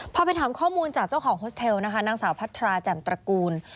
พอไปถามข้อมูลจากเจ้าของโฮสเทลนะคะนางสาวพัทราแจ่มตระกูล